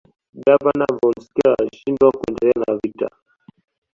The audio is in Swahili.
Gavana Von schelle alishindwa kuendelea na vita